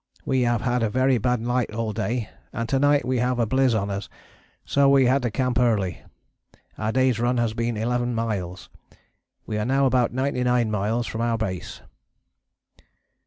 We have had a very bad light all day, and to night we have a bliz on us, so we had to camp early. Our day's run has been 11 miles. We are now about 99 miles from our base.